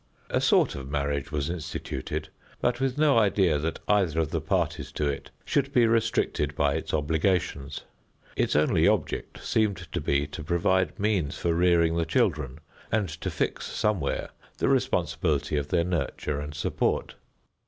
A sort of marriage was instituted, but with no idea that either of the parties to it should be restricted by its obligations. Its only object seemed to be to provide means for rearing the children, and to fix somewhere the responsibility of their nurture and support.